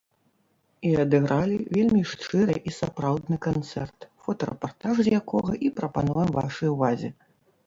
І адыгралі вельмі шчыры і сапраўдны канцэрт, фотарэпартаж з якога і прапануем вашай увазе.